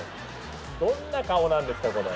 どんな顔なんですかこれ！